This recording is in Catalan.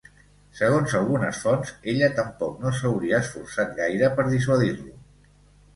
Segons algunes fonts ella tampoc no s'hauria esforçat gaire per dissuadir-lo.